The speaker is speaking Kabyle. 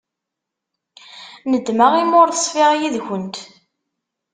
Nedmeɣ imi ur ṣfiɣ yid-kent.